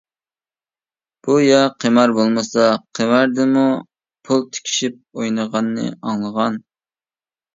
بۇ يا قىمار بولمىسا، قىماردىمۇ پۇل تىكىشىپ ئوينىغاننى ئاڭلىغان.